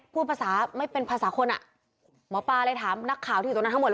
พูดภาษาไม่เป็นภาษาคนอ่ะหมอปลาเลยถามนักข่าวที่อยู่ตรงนั้นทั้งหมดเลย